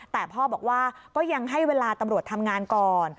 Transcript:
แต่พ่อบอกว่าก็ยังให้เวลาตำรวจทำงานก่อน